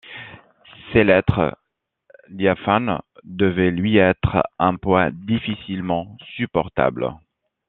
Ces lettres diaphanes devaient lui être un poids difficilement supportable.